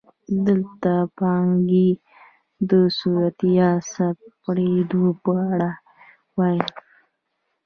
دلته د پانګې د صدور یا خپرېدو په اړه وایو